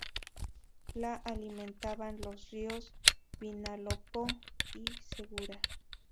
La alimentaban los ríos Vinalopó y Segura.